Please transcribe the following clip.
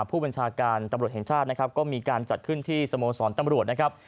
ผู้บัญชาการตำรวจแห่งชาตินะครับก็มีการจัดขึ้นที่สโมสรตำรวจนะครับ